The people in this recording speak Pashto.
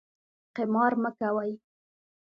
قمار مه کوئ